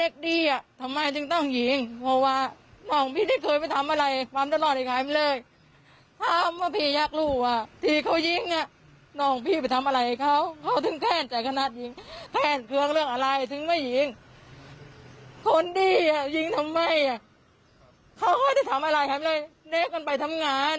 ช่วยกันไปทำงานช่วยจริงช่วยเจ้าแม่ไว้เลยค่ะ